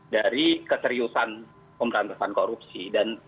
dari keseriusan pemberantasan korupsi